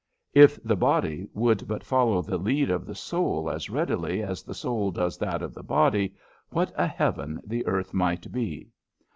If the body would but follow the lead of the soul as readily as the soul does that of the body, what a heaven the earth might be!